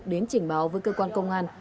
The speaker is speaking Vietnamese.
đến trình báo với cơ quan công an